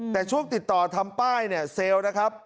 แต่ช่วงติดต่อทำป้ายเนี่ยเซลล์นะครับ